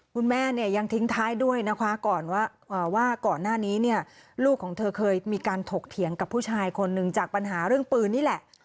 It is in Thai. คุณแม่เนี่ยยังทิ้งท้ายด้วยนะคะก่อนว่าก่อนหน้านี้เนี่ยลูกของเธอเคยมีการถกเถียงกับผู้ชายคนหนึ่งจากปัญหาเรื่องปืนนี่แหละ